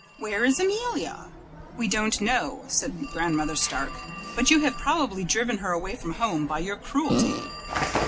"Where is Amelia?" "We don't know," said Grandmother Stark, "but you have probably driven her away from home by your cruelty."